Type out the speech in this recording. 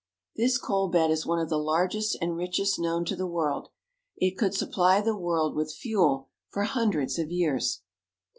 This coal bed is one of the largest and richest known to the world. It could supply the world with fuel for hundreds of years.